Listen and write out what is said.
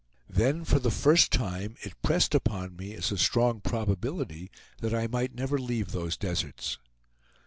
Then, for the first time, it pressed upon me as a strong probability that I might never leave those deserts.